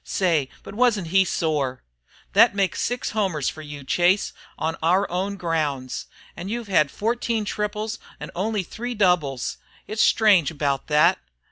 Say, but wasn't he sore!" "Thet makes six homers fer you, Chase, on our own grounds. An' you've had fourteen triples, an' only three doubles. It's strange 'bout thet.